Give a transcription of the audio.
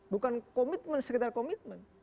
bukan komitmen sekedar komitmen